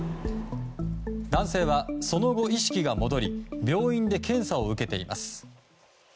男性はその後、意識が戻り病院で検査を受けています。